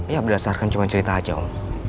ya berdasarkan cuma cerita aja om